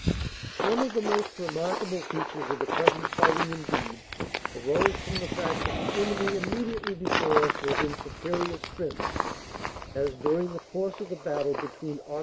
One of the most remarkable features of the present fighting, indeed, arose from the fact that the enemy immediately before us was in superior strength, as during the course of the battle between Aug.